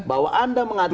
bahwa anda mengatakan